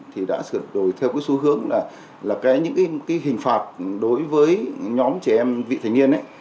thì đã sửa đổi theo cái xu hướng là những cái hình phạt đối với nhóm trẻ em vị thành niên